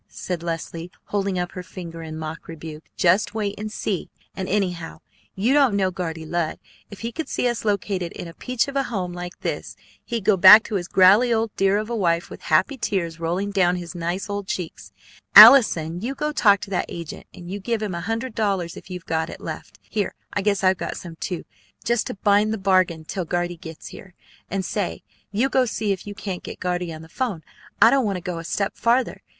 said Leslie, holding up her finger in mock rebuke. "Just wait and see! And, anyhow, you don't know Guardy Lud. If he could see us located in a peach of a home like this, he'd go back to his growley old dear of a wife with happy tears rolling down his nice old cheeks. Allison, you go talk to that agent, and you give him a hundred dollars if you've got it left here, I guess I've got some, too just to bind the bargain till Guardy gets here. And say, you go see if you can't get Guardy on the 'phone. I don't want to go a step farther.